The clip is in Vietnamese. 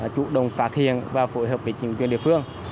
chủ động phát hiện và phối hợp với chính quyền địa phương